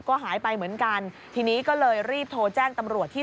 ก็หายไปเหมือนกันทีนี้ก็เลยรีบโทรแจ้งตำรวจที่